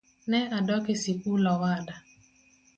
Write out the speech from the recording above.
Ne adok e sikul owada